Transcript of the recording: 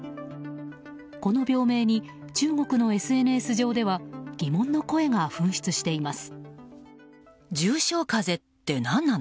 この病名に中国のＳＮＳ上では疑問の声が噴出しています。